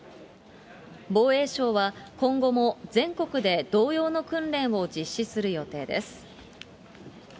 防衛省は、今後も全国で同様の訓練を実施する予定です。